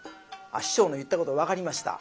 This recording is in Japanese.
師匠の言ったこと分かりました。